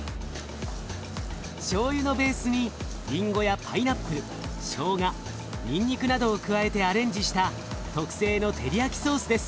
しょうゆのベースにリンゴやパイナップルしょうがにんにくなどを加えてアレンジした特製のテリヤキソースです。